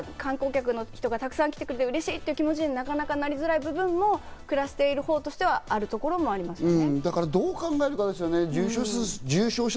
観光客の人がたくさん来てくれて嬉しい！という気持ちにはなりづらい部分も暮らしているほうとしてはありますよね。